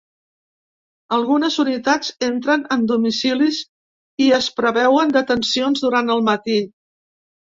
Algunes unitats entren en domicilis i es preveuen detencions durant el matí.